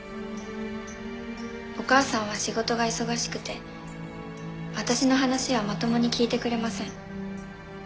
お母さんは仕事が忙しくて私の話はまともに聞いてくれません。